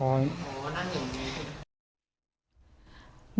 อ๋อนั่งอย่างนี้